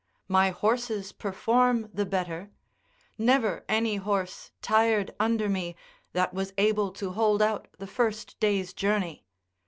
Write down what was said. My horses perform the better; never any horse tired under me that was able to hold out the first day's journey.